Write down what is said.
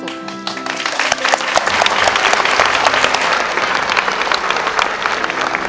น้องตาชอบให้แม่ร้องเพลง๒๐